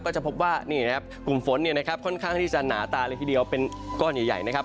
ก็จะพบว่ากลุ่มฝนค่อนข้างที่จะหนาตาเลยทีเดียวเป็นก้อนใหญ่นะครับ